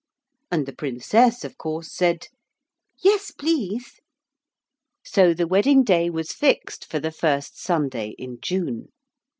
And the Princess, of course, said, 'Yes, please.' So the wedding day was fixed for the first Sunday in June.